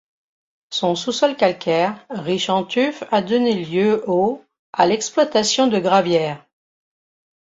Son sous-sol calcaire, riche en tuf a donné lieu au à l'exploitation de gravières.